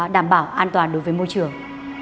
đảm bảo an toàn đối với môi trường